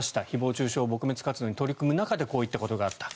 誹謗・中傷撲滅活動に取り組む中でこういったことがあった。